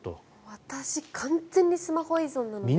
私完全にスマホ依存なので